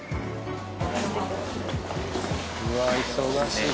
うわあ忙しい。